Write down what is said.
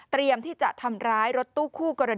ที่จะทำร้ายรถตู้คู่กรณี